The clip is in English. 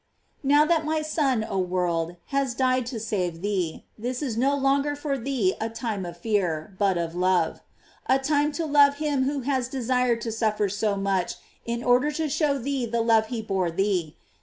Now that ray Son, oh world, has died to save thee, this is no longer for thee a time of fear, but of love: a time to love him who has de sired to suffer so much in order to show thee the love he bore thee.